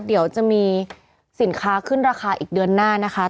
เดี๋ยวจะมีสินค้าขึ้นราคาอีกเดือนหน้านะคะ